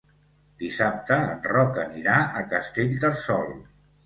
Dissabte en Roc anirà a Castellterçol.